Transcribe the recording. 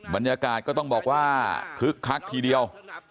บรรยากาศก็ต้องบอกว่าคึกคักทีเดียว